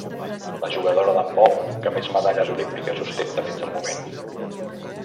La jugadora d'handbol que més medalles olímpiques ostenta fins al moment.